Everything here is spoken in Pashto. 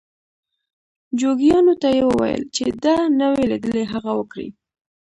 جوګیانو ته یې وویل چې ده نه وي لیدلي هغه وکړي.